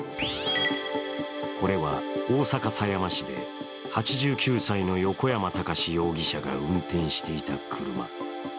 これは大阪狭山市で８９歳の横山孝容疑者が運転していた車。